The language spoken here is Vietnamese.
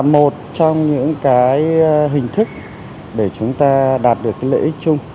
một trong những hình thức để chúng ta đạt được lợi ích chung